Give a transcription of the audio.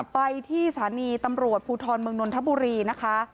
ไปที่สถานีตำรวจภูทรเมืองนนทบุรีนะคะ